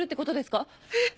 えっ！